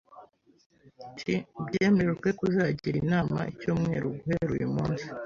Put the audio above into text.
t byemejwe ko tuzagira inama icyumweru guhera uyu munsi